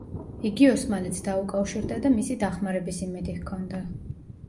იგი ოსმალეთს დაუკავშირდა და მისი დახმარების იმედი ჰქონდა.